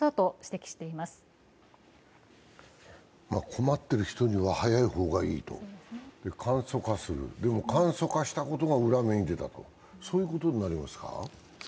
困っている人には早いほうがいいと、簡素化する、でも簡素化したことが裏目に出たと、そういうことになりますか？